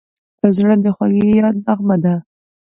زړه د خوږې یاد نغمه ده.